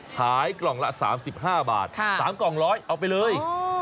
ขายกล่องละ๓๕บาท๓กล่อง๑๐๐เอาไปเลย